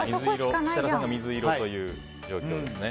設楽さんが水色という状況ですね。